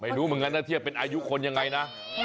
ไม่รู้จึงมันน่าเทียบเป็นอายุคนอย่างไรนะ